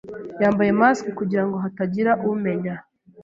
Yambaye mask kugirango hatagira umenya.